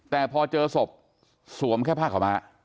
แต่พอเจอศพสวมแค่ผ้าขาวม้า